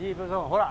ほら！